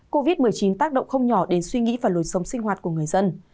covid một mươi chín tác động không nhỏ đến suy nghĩ và lối sống sinh hoạt của người dân